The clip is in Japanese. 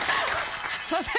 すいません。